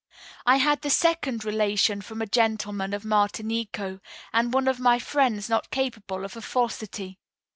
"I had the second relation from a gentleman of Martinico, and one of my friends not capable of a falsity.